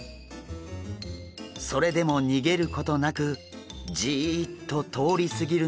それでも逃げることなくジッと通り過ぎるのを待ちます。